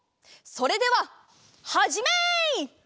それでははじめい！